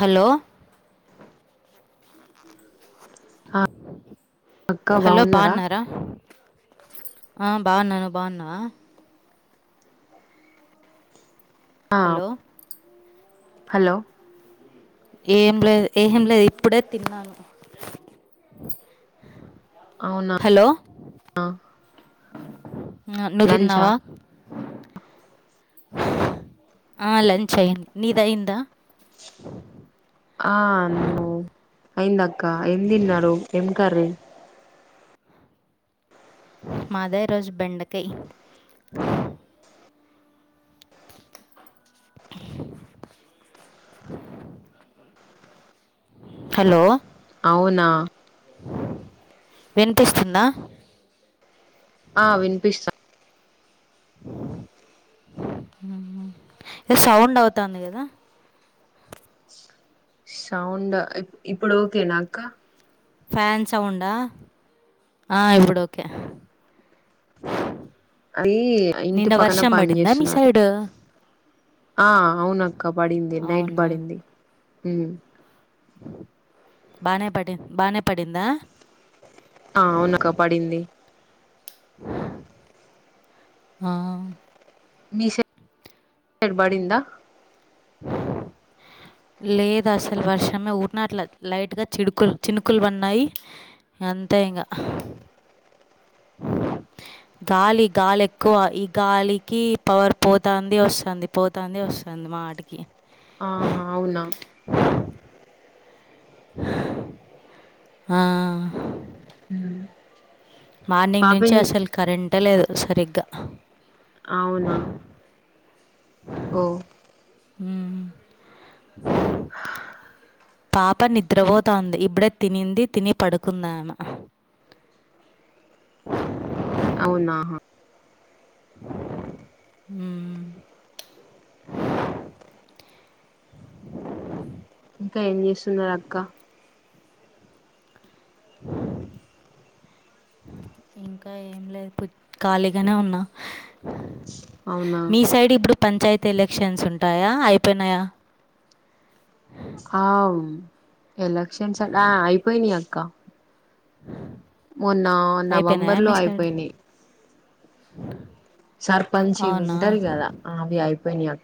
Hello ఆ అక్క hello బాగున్నారా బావున్నారా ఆ బావున్నా నువ్వు బావున్నవా ఆ హలో హలో ఏం లేదు ఏం లేదు ఇప్పుడే తిన్నాను. అవునా హలో అ ఉమ్ నువ్వు లంచా తిన్నావా? ఆ లంచ్ అయ్యింది నీదైందా? ఆ అన్నం అయిందక్క, ఏం తిన్నరు, ఎమ్ కర్రీ? మాదా ఈ రోజు బెండకయ్ హలో అవునా వినిపిస్తుందా? ఆ వినిపిస్తా ఉమ్ సౌండ్ అవుతాంది కదా. సౌండ్ ఇప్ ఇప్పుడు ఓకేనా అక్క? ఫ్యాన్ సౌండా, ఆ ఇప్పుడు ఓకే అది ఇంటి నిన్న పక్కన వర్షం పని పడిందా మీ చేస్తున్నారు సైడు? ఆ అవునక్క బడింది నైట్ అవునా బడింది ఉమ్ బానే పడి బానే పడిందా? ఆ అవునక్క పడింది. ఆ మీసైడ్ బడింద? లేదు అసలు వర్షమే ఊటినట్ల లైట్ గా చిడుకులు చినుకులు పడినాయి. అంతే ఇంగ గాలి గాలి ఎక్కువ ఈ గాలికి పవర్ పోతాంది వస్తాంది, పోతాంది వస్తాంది. మాటికి ఆహ అవునా ఆ ఆ ఉమ్ మార్నింగ్ నుంచి పాపం అసలు కరెంటే లేదు సరిగ్గా. అవునా ఓ ఉమ్ పాప నిద్రపోతాంది ఇబ్బుడే తినింది, తిని పడుకుందామే అవునా ఉమ్ ఇంకా ఏం చేస్తున్నారక్క? ఇంకా ఏం లేదు బు ఖాళీగనే ఉన్నా అవునా మీ సైడ్ ఇప్పుడు పంచాయతీ ఎలక్షన్స్ ఉంటాయా, అయిపోయినయా? ఆ ఎలక్షన్స్ ఆట అయిపోయినయక్క అయిపోయినా నవంబర్ లో మీ షైడ్ అయిపోయినాయి సర్పంచ్ ఇవి ఉంటరు కదా ఆవి అయిపోయినయక్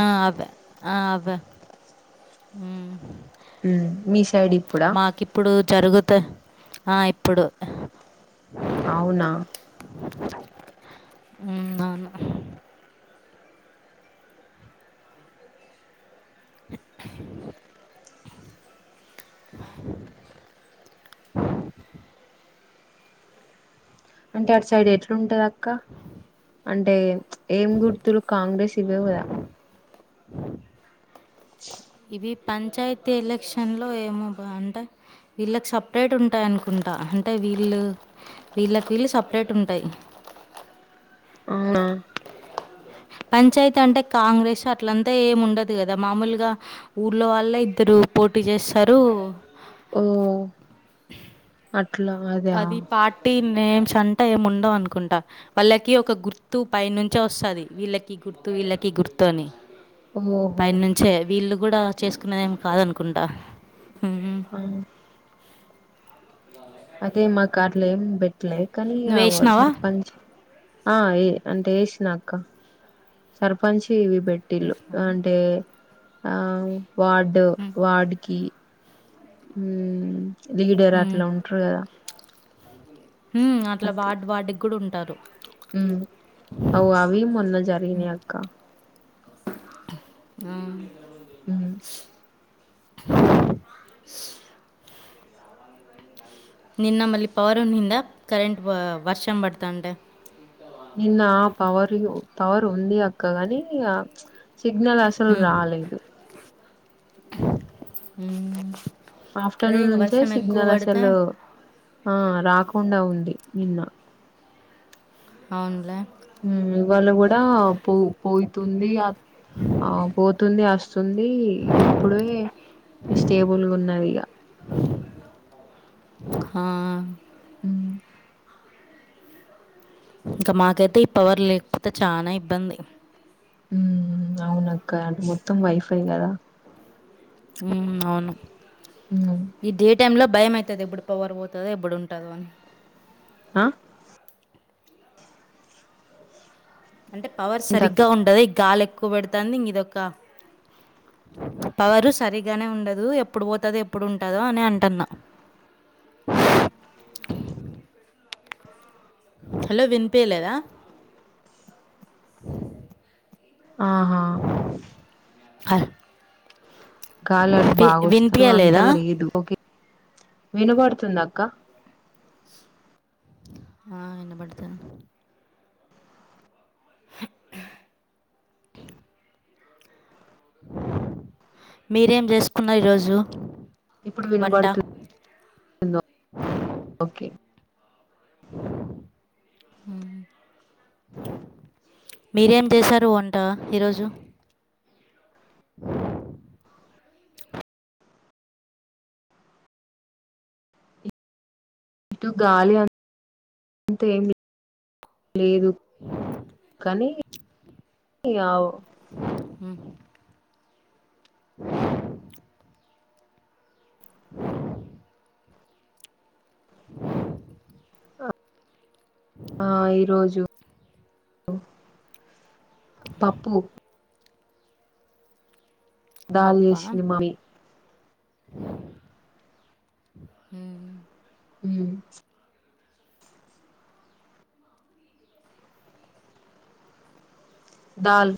ఆ అదే ఆ అదే, ఉమ్ ఉమ్ మీ సైడ్ ఇప్పుడా? ఇప్పుడు జరుగుతే ఆ ఇప్పుడు అవునా హు అవును హంచి [unintelligible] అంటే అటు సైడ్ ఎట్లుంటది అక్క అంటే ఏం గుర్తులు కాంగ్రెస్ ఇవే కదా హ్ ఇవి పంచాయతీ ఎలక్షన్ లో ఏమో బాఅంట వీళ్ళకి సపరేట్ ఉంటాయి అనుకుంటా అంటే వీళ్ళు వీళ్ళకి వీళ్ళు సపరేట్ ఉంటాయి అవునా పంచాయతీ అంటే కాంగ్రెస్ అట్లంతా ఏముండదు కదా మామూలుగా ఊళ్ళో వాళ్ళే ఇద్దరు పోటీ చేస్తారు ఆ అట్లా మరి అది పార్టీ నేమ్స్ అంటా ఏం ఉండవు అనుకుంటా వాళ్ళకి ఒక గుర్తు పై నుంచే వస్తది వీళ్ళకి గుర్తు వీళ్ళకి గుర్తు అని ఓహో పైన నుంచే వీళ్ళు కూడా చేసుకునేదేం కాదనుకుంటా హ్మ్ అవునా అదే మా కట్లే ఏం బేట్లే కానీ ఇగ నువ్వు ఏసినావా? సర్పంచ్ ఆ ఏ అంటే ఏశినక్క సర్పంచ్ ఇవి బెట్ టిలు ఏసినావా? అంటే ఆ వార్డు హ్మ్. వార్డుకి హ్మ్ లీడర్ హ్మ్. అట్లా ఉంట్రు కదా హ్మ్ అట్లా వార్డ్ వార్డ్ కి కూడా ఉంటారు హ్మ్ అవు అవి మొన్న జరిగినయి అక్క హ్మ్ హ్మ్ నిన్న మళ్ళీ పవర్ ఉండిందా కరెంట్ వర్షం పడతాంటే నిన్న పవర్ పవర్ ఉంది అక్కగాని ఇగ ప్చ్ సిగ్నల్ అసలు హ్మ్. రాలేదు హ్మ్ అదే ఆఫ్టర్నూన్ ఇంక నుంచే వర్షం ఎక్కువ సిగ్నల్ పడితే అసలు ఆ రాకుండా ఉంది నిన్న అవునులే హ్మ్ ఇవాళ కూడా పో పోతుంది ఆత్ ఆ పోతుంది వస్తుంది ఇప్పుడే ఈ స్టేబుల్ గా ఉన్నది ఇగా హా హ్మ్ ఇంకా మాకైతే ఈ పవర్ లేకపోతే చానా ఇబ్బంది హ్మ్ అవునక్క అటు మొత్తం వైఫై కదా హ్మ్ అవును హ్మ్ ఈ డే టైమ్ లో భయం అయితది ఎప్పుడు పవర్ పోతుందో ఎప్పుడు ఉంటదో అని ఆ అంటే పవర్ ఏంటక్ సరిగ్గా ఉండది గాలి ఎక్కువ పెడతాంది ఇంగ ఇదొక పవరు సరిగానే ఉండదు ఎప్పుడు పోతందో ఎప్పుడు ఉంటదో అని అంటున్నా హలో వినిపియ్యలేదా ఆహా ఆ గాలి అటు బాగోస్తూ అంతలా లేదు ఒకే వినబడుతుందా అక్క ఆ వినబడ్తాంది చుం మీరేం చేసుకున్న ఈరోజు ఇప్పుడు వంట. వినబడుతుంది ఓకే ఆ మీరేం చేశారు వంట ఈరోజు ఉఫ్ ఇటు గాలి అంత ఏమిలేదు కానీ ఆవు ఉమ్ ఆ ఈరోజు పప్పు దాల్ పప్పా చేసింది మమ్మీ ఉ ఉమ్ దాల్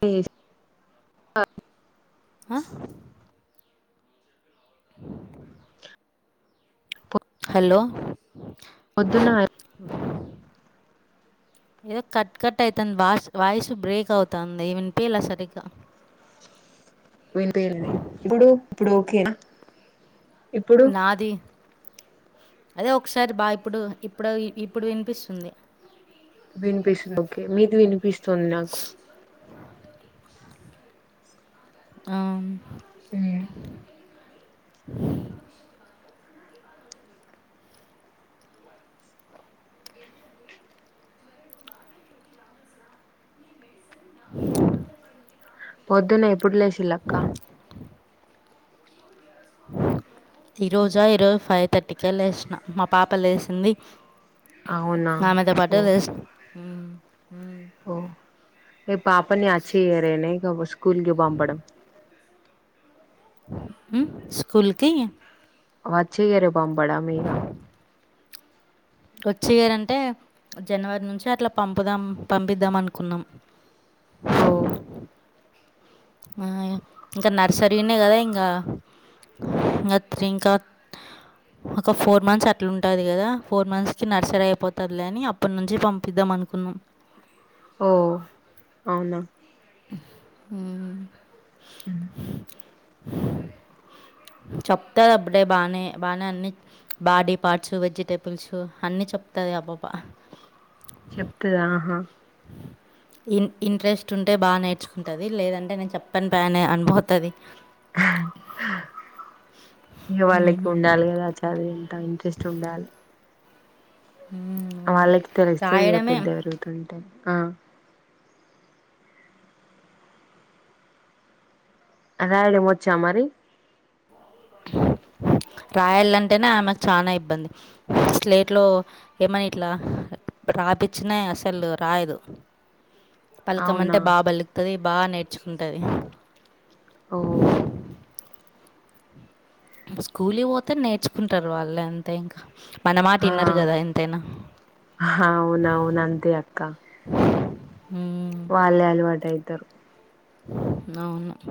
చెసి ఆ హలో పొద్దున్న ఏదో కట్ కట్ అయితాంది వాస్ వాయిస్ బ్రేక్ అవుతుంది ఈ విన్పియలే సరిగ్గా వినిపియంది ఇప్పుడు ఇప్పుడు ఓకేనా ఇప్పుడు నాది అదే ఒకసారి బా ఇప్పుడు ఇప్పుడు ఇప్పుడు వినిపిస్తుంది వినిపిస్తుంది ఓకే మీది వినిపిస్తుంది నాకు ఆవు ఉమ్ పొద్దున్న ఎప్పుడు లేసిలక్క ఈరోజా ఈరోజు ఫైవ్ థర్టీకే లేసిన మా పాప లేచింది అవునా ఆమెతో ఓ పాటు లేసిన ఓ ఏ పాపని అచ్చెయ్యరేన ఇక స్కూల్కి పంపడం స్కూల్కి వచ్చే ఇయర్ పంపడం ఇగ వచ్చే ఇయరంటే జనవరి నుంచి అట్లా పంపుదాం పంపిద్దాం అనుకున్నాం అవు ఇంకా నర్సరీనే కదా ఇంకా ఇంకా త ఇంకా ఒక ఫోర్ మంత్స్ అట్లా ఉంటుంది కదా ఫోర్ మంత్స్ నర్సరీ అయిపోతదిలే అని అప్పటి నుంచి పంపిద్దాం అనుకున్నాం ఓ అవునా ఉమ్ ఉ చెప్తాది అప్పుడే బానే బానే అన్ని బాడీ పార్ట్స్ వెజిటేబుల్స్ అన్ని చెప్తాది ఆ బప చెప్తాదా ఆహా ఇన్ ఇంట్రెస్ట్ ఉంటే బాగా నేర్చుకుంటుంది లేదంటే నేను చెప్పానుపా అని అన్ పోతాది ఇగ వాళ్ళకి వుండాలి కదా చదివెంత ఇంట్రెస్ట్ ఉండాలి ఉమ్మ్ వాళ్ళకి తెలిస్తాది ఇగ పెద్ద ఎరుగుతుంటే ఆ ఆ రాయడం వచ్చా మరి రాయ్యాలంటేనే ఆమెకు చానా ఇబ్బంది స్లేట్లో ఏమని ఇట్లా రాపిచ్చిన అసలు రాయదు పలకమంటే అవునా బా బలుకుతది బా నేర్చుకుంటది ఓహో స్కూల్‌కి పోతే నేర్చుకుంటారు వాళ్ళే అంతే ఇంకా మన మాట ఆ ఈనారు కదా ఎంతైనా అవునవును అంతే అక్క ఉమ్మ్ వాళ్ళే అలవాటైతారు అవును